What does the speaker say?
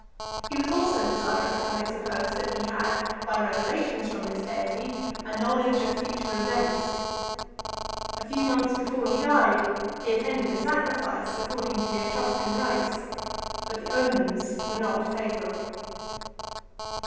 He was also desirous to have it supposed that he had, by revelations from this deity, a knowledge of future events. A few months before he died, he attended a sacrifice, according to the Etruscan rites, but the omens were not favourable.